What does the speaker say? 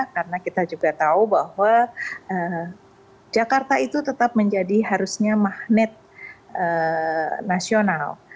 karena kita juga tahu bahwa jakarta itu tetap menjadi harusnya magnet nasional